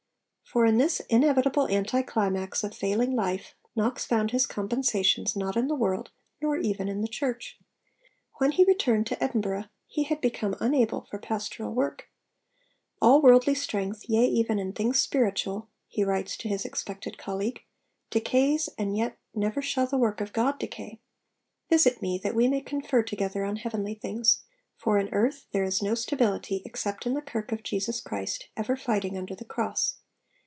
For in this inevitable anti climax of failing life, Knox found his compensations not in the world, nor even in the Church. When he returned to Edinburgh, he had become unable for pastoral work. 'All worldly strength, yea, even in things spiritual,' he writes to his expected colleague, 'decays, and yet never shall the work of God decay.... Visit me, that we may confer together on heavenly things: for, in earth, there is no stability, except in the Kirk of Jesus Christ, ever fighting under the cross.